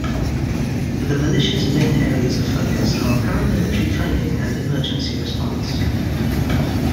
The Militia's main areas of focus are paramilitary training and emergency response.